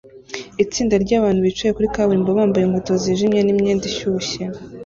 Itsinda ryabantu bicaye kuri kaburimbo bambaye inkweto zijimye n imyenda ishyushye